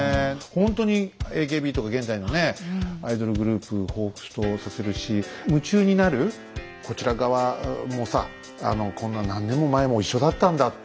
ほんとにＡＫＢとか現代のアイドルグループ彷彿とさせるし夢中になるこちら側もさこんな何年も前も一緒だったんだっていうね。